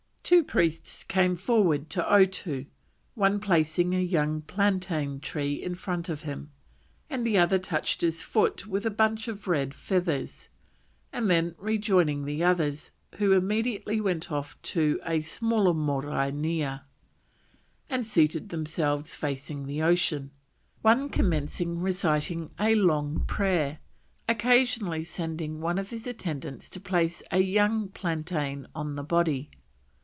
Two priests came forward to Otoo, one placing a young plantain tree in front of him, and the other touching his foot with a bunch of red feathers, and then rejoining the others, who immediately went off to a smaller Morai near, and, seating themselves facing the sea, one commenced reciting a long prayer, occasionally sending one of his attendants to place a young plantain on the body.